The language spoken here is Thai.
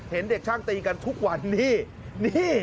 เห็นเด็กช่างตีกันทุกวันนี่นี่